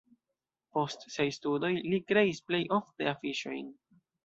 Post siaj studoj li kreis plej ofte afiŝojn.